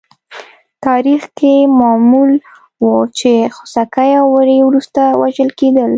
تاریخ کې معمول وه چې خوسکي او وری وروسته وژل کېدل.